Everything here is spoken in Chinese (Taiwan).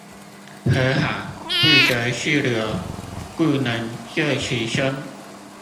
河海不擇細流，故能就其深